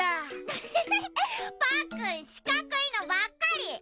パックンしかくいのばっかり！